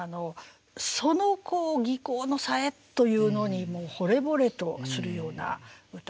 その技巧の冴えというのにもうほれぼれとするような歌ですよね。